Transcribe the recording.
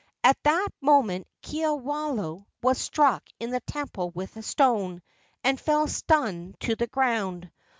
At that moment Kiwalao was struck in the temple with a stone, and fell stunned to the ground.